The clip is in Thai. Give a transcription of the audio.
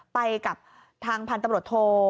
ไปกับทางพันธุ์ตำรวจโท